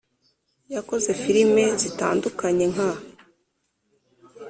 Yakoze filime zitandukanye nka